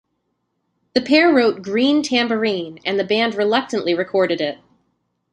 The pair wrote "Green Tambourine" and the band reluctantly recorded it.